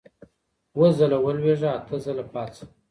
اووه ځله ولوېږه، اته ځله پاڅه.